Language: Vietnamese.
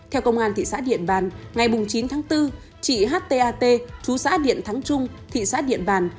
theo công an thị xã điện bàn ngày chín tháng bốn chị h tat chú xã điện thắng trung thị xã điện bàn